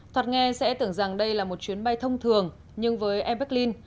thoạt nghe sẽ tưởng rằng đây là một chuyến bay thông thường nhưng với air berlin